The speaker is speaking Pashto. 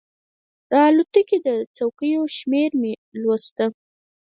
د الوتکې د څوکیو شمېره مې لوستله.